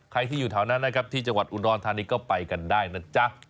ใครที่อยู่แถวนั้นนะครับที่จังหวัดอุดรธานีก็ไปกันได้นะจ๊ะ